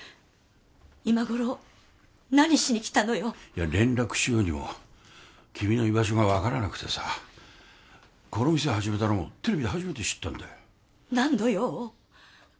今頃何しに来たのよいや連絡しようにも君の居場所が分からなくてさこの店始めたのもテレビで初めて知ったんだよ何の用？